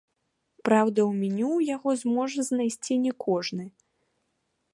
Праўда, у меню яго зможа знайсці не кожны.